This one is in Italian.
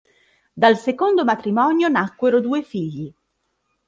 Dal secondo matrimonio nacquero due figli.